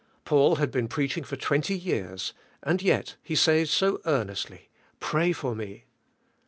Paul had been preaching for 20 years, and yet he says so earnestly. "Pray for me."